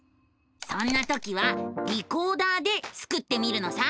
そんな時は「リコーダー」でスクってみるのさ！